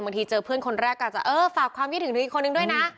เจอเพื่อนคนแรกก็อาจจะเออฝากความคิดถึงอีกคนนึงด้วยนะ